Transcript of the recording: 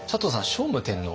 聖武天皇